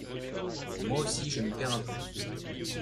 Moi aussi, je m’y perds un peu.